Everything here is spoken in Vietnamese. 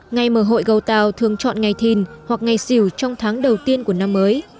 ngày mở hội gầu tàu thường chọn ngày thìn hoặc ngày xỉu trong tháng đầu tiên của năm mới